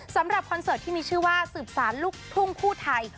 คอนเสิร์ตที่มีชื่อว่าสืบสารลูกทุ่งคู่ไทย